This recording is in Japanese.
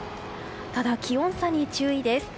ただ、気温差に注意です。